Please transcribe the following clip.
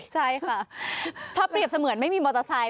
ใช่ค่ะถ้าเปรียบเสมือนไม่มีมอเตอร์ไซค